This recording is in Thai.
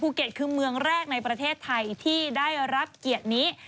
เกตคือเมืองแรกในประเทศไทยที่ได้รับเกียรตินี้